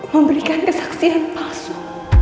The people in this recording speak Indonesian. memberikan kesaksian palsu